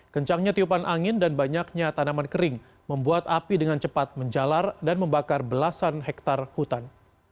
kencangnya tiupan angin dan banyaknya tanaman kering membuat api dengan cepat menjalar dan membakar belasan hektare hutan